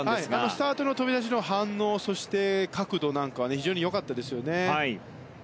スタートの飛び出しの反応そして、角度なんかは非常に良かったですね。